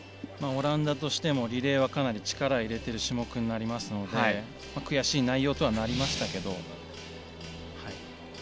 オランダとしてもリレーはかなり力を入れてる種目になりますので悔しい内容とはなりましたけど。